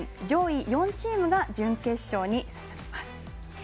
上位４チームが準決勝に進みます。